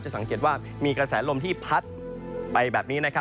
สังเกตว่ามีกระแสลมที่พัดไปแบบนี้นะครับ